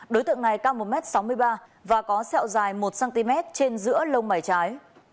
đối tượng này cao một m sáu mươi ba và có sẹo dài một cm trên giữa lông mảy trái